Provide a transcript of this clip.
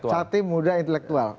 santri muda intelektual